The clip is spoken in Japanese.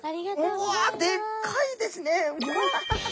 うわでっかいですね。